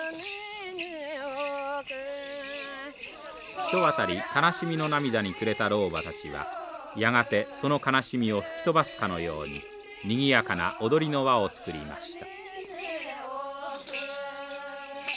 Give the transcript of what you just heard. ひとわたり悲しみの涙にくれた老婆たちはやがてその悲しみを吹き飛ばすかのようににぎやかな踊りの輪を作りました。